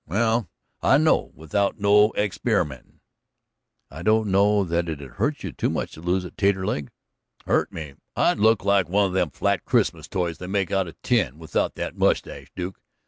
Well, I know, without no experimentin'." "I don't know that it'd hurt you much to lose it, Taterleg." "Hurt me? I'd look like one of them flat Christmas toys they make out of tin without that mustache, Duke.